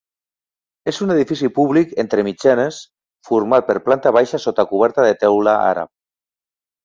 És un edifici públic entre mitgeres format per planta baixa sota coberta de teula àrab.